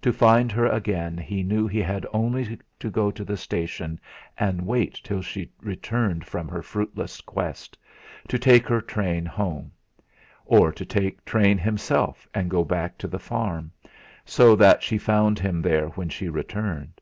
To find her again he knew he had only to go to the station and wait till she returned from her fruitless quest, to take her train home; or to take train himself and go back to the farm, so that she found him there when she returned.